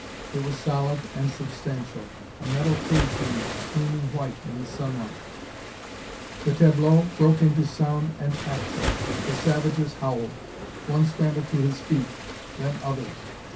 It was solid and substantial a metal cage room, gleaming white in the sunlight. The tableau broke into sound and action. The savages howled. One scrambled to his feet; then others.